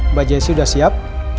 mbak jessy udah siap